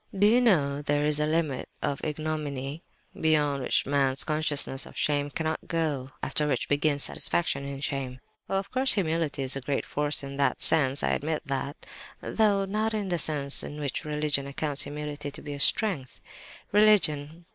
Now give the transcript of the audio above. "Do you know there is a limit of ignominy, beyond which man's consciousness of shame cannot go, and after which begins satisfaction in shame? Well, of course humility is a great force in that sense, I admit that—though not in the sense in which religion accounts humility to be strength! "Religion!